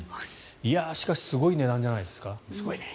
しかしすごい値段じゃないですか。